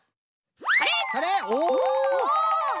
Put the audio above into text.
それ！